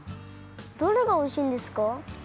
どれがおいしいんですか？